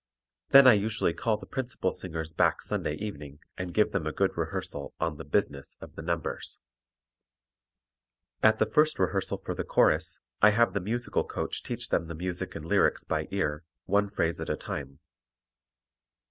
Then I usually call the principal singers back Sunday evening and give them a good rehearsal on the "business" of the numbers. At the first rehearsal for the chorus I have the musical coach teach them the music and lyrics by ear, one phrase at a time.